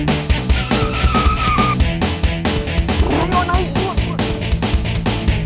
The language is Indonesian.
ini orang lain